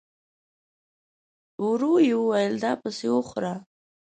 ورو يې وويل: دا پسې وخوره!